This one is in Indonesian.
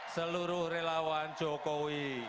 seluruh relawan jokowi